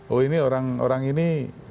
oh ini orang ini